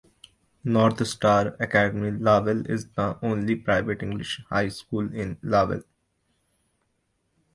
North Star Academy Laval is the only private English high school in Laval.